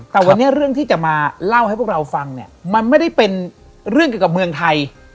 แต่วันนี้เรื่องที่จะมาเล่าให้พวกเราฟังเนี่ยมันไม่ได้เป็นเรื่องเกี่ยวกับเมืองไทย